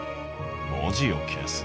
文字を消す？